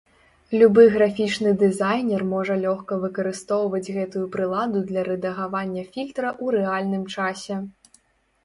Любы графічны дызайнер можа лёгка выкарыстоўваць гэтую прыладу для рэдагавання фільтра ў рэальным часе.